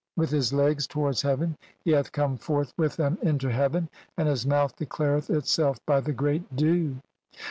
CXXI "with his legs towards heaven, he hath come forth "with them into heaven, and his mouth declareth it "self by the great dew.